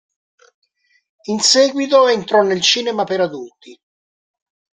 In seguito entrò nel cinema per adulti.